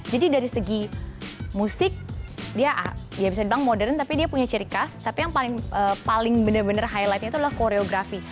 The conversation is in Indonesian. jadi dari segi musik dia bisa dibilang modern tapi dia punya ciri khas tapi yang paling bener bener highlightnya itu adalah koreografi